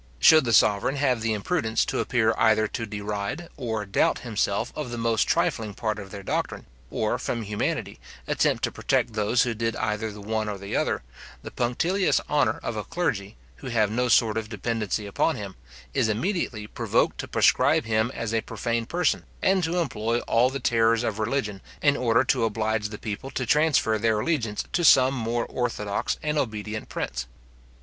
Should the sovereign have the imprudence to appear either to deride, or doubt himself of the most trifling part of their doctrine, or from humanity, attempt to protect those who did either the one or the other, the punctilious honour of a clergy, who have no sort of dependency upon him, is immediately provoked to proscribe him as a profane person, and to employ all the terrors of religion, in order to oblige the people to transfer their allegiance to some more orthodox and obedient prince.